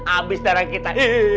abis darah kita